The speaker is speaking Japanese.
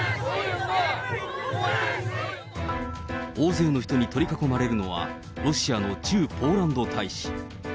大勢の人に取り囲まれるのは、ロシアの駐ポーランド大使。